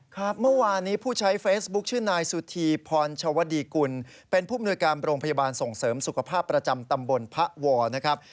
ครับเมื่อวานนี้ผู้ใช้เฟซบุ๊คชื่อนายสุธีพรชวดีกุลเป็นผู้มนุยการโรงพยาบาลส่งเสริมสุขภาพประจำตำบลพระวอนะครับ